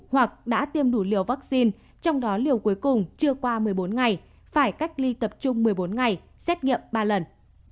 hoặc đã tiêm đủ liều vaccine trong đó liều cuối cùng chưa qua một mươi bốn ngày phải cách ly tập trung một mươi bốn ngày xét nghiệm ba lần